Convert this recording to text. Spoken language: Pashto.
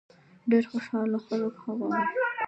ډېر خوشاله خلک هغه دي.